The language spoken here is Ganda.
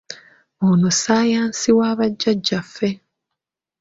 Ono ssaayansi wa bajjaajjaffe!